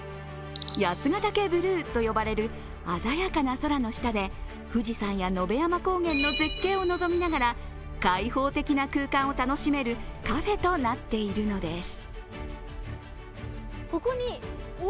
八ヶ岳ブルーと呼ばれる鮮やかな空の下で富士山や野辺山高原の絶景を望みながら開放的な空間を楽しめるカフェとなっているのです。